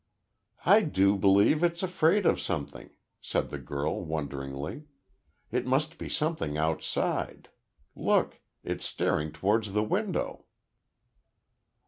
"I do believe it's afraid of something," said the girl, wonderingly. "It must be something outside. Look. It's staring towards the window."